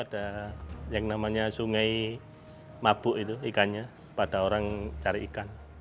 ada yang namanya sungai mabuk itu ikannya pada orang cari ikan